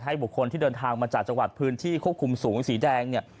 บุคคลที่เดินทางมาจากจังหวัดพื้นที่ควบคุมสูงสีแดงเนี่ย